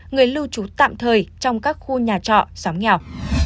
người lưu trú tạm thời trong các khu nhà trọ xóm nghèo